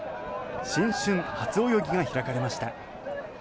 新春初泳ぎが開かれました。